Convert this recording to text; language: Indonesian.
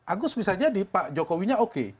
agus bisa jadi pak jokowinya oke